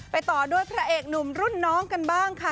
ต่อด้วยพระเอกหนุ่มรุ่นน้องกันบ้างค่ะ